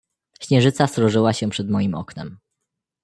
"Śnieżyca srożyła się przed moim oknem."